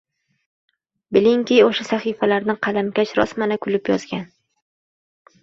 bilingki, o’sha sahifalarni qalamkash rostmana kulib yozgan.